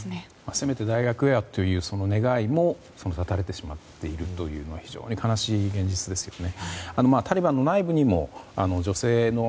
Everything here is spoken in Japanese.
せめて大学へはという願いも絶たれてしまっているという非常に悲しい現実ですよね。